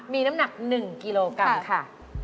มีน้ำหนัก๑กิโลกรัมค่ะ